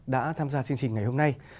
đã tham gia chương trình ngày hôm nay